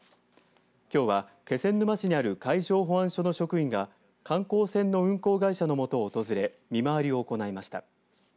きょうは気仙沼市にある海上保安署の職員が観光船の運航会社のもとを訪れ見回りを行いました。